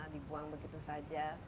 dibuang begitu saja